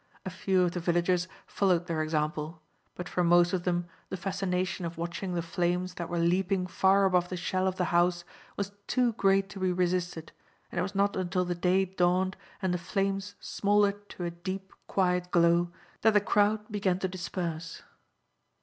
A few of the villagers followed their example; but for most of them the fascination of watching the flames that were leaping far above the shell of the house was too great to be resisted, and it was not until the day dawned and the flames smouldered to a deep, quiet glow, that the crowd began to disperse.